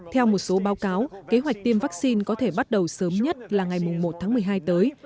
theo một số báo cáo kế hoạch tiêm vaccine có thể bắt đầu sớm nhất là ngày một tháng một mươi hai tới